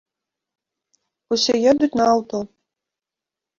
Усе едуць на аўто.